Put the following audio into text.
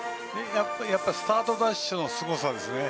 やっぱりスタートダッシュのすごさですね。